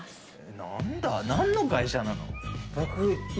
何の会社なの？